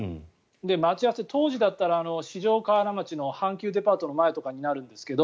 待ち合わせは当時だったら四条河原町の阪急デパートの前とかになるんですけど。